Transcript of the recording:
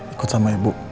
ikut sama ibu